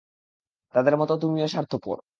তাদের মতো তুমিও স্বার্থপর!